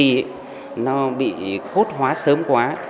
thế thì nó bị khốt hóa sớm quá